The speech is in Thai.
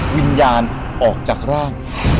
วิญญาณออกจากร่าง